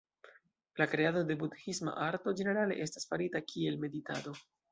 La kreado de budhisma arto ĝenerale estas farita kiel meditado.